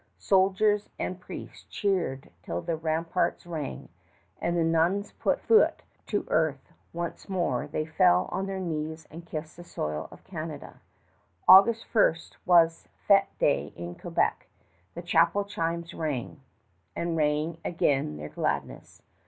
Soldiers and priests cheered till the ramparts rang. As the nuns put foot to earth once more they fell on their knees and kissed the soil of Canada. August 1st was fête day in Quebec. The chapel chimes rang ... and rang again their gladness.